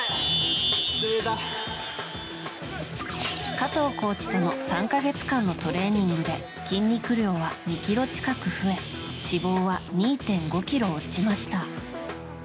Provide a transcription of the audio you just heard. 加藤コーチとの３か月間のトレーニングで筋肉量は２ｋｇ近く増え脂肪は２．５ｋｇ落ちました。